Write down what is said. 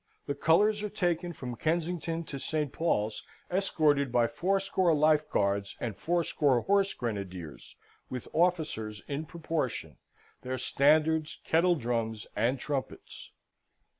The colours are taken from Kensington to St Paul's, escorted by fourscore life guards and fourscore horse grenadiers with officers in proportion, their standards, kettle drums, and trumpets.